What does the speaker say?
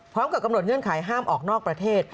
พร้อมกับกำหนดเงื่อนไขห้ามออกนอกประเทศ